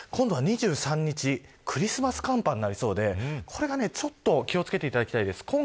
今度は２３日クリスマス寒波になりそうでこれが気を付けていただきたいです。